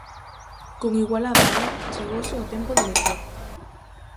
Con igualada a un chegouse o tempo de lecer.